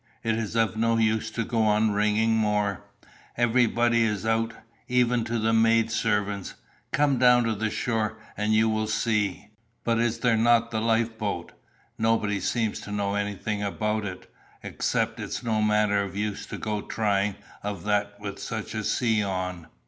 It is of no use to go on ringing more. Everybody is out, even to the maid servants. Come down to the shore, and you will see." "But is there not the life boat?" "Nobody seems to know anything about it, except 'it's no manner of use to go trying of that with such a sea on.